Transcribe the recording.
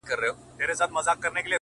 زړه مي د اشنا په لاس کي وليدی’